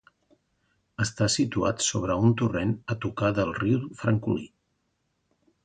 Està situat sobre un torrent, a tocar del riu Francolí.